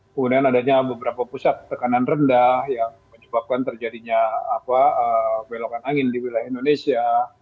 kemudian adanya beberapa pusat tekanan rendah yang menyebabkan terjadinya belokan angin di wilayah indonesia